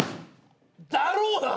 だろうな！